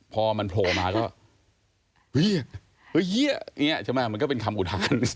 พอมันโผล่มาก็เฮียใช่ไหมมันก็เป็นคำอุทาน